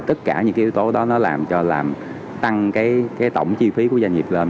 tất cả những cái yếu tố đó nó làm cho làm tăng cái tổng chi phí của doanh nghiệp lên